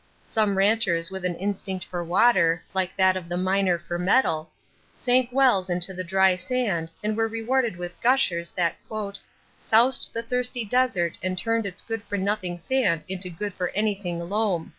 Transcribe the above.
Some ranchers with an instinct for water, like that of the miner for metal, sank wells into the dry sand and were rewarded with gushers that "soused the thirsty desert and turned its good for nothing sand into good for anything loam."